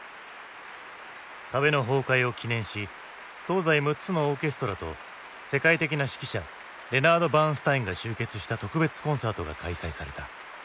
壁の崩壊を記念し東西６つのオーケストラと世界的な指揮者レナード・バーンスタインが集結した特別コンサートが開催された。